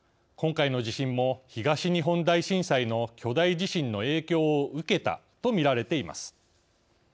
今回の地震も東日本大震災の巨大地震の影響を受けたとみられています。